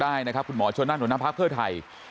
นายกได้นะครับคุณหมอชนั่นหลังจากภาคเพื่อไทย